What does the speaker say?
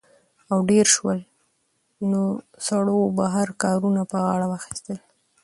او ډېر شول؛ نو سړو بهر کارونه په غاړه واخىستل